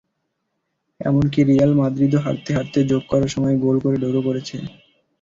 এমনকি রিয়াল মাদ্রিদও হারতে হারতে যোগ করা সময়ে গোল করে ড্র করেছে।